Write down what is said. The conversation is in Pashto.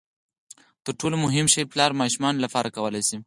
تر ټولو مهم شی پلار ماشومانو لپاره کولای شي.